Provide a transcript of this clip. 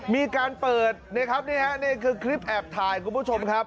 มีการเปิดนี่ครับนี่ฮะนี่คือคลิปแอบถ่ายคุณผู้ชมครับ